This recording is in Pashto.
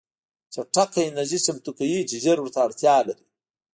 چټکه انرژي چمتو کوي چې ژر ورته اړتیا لري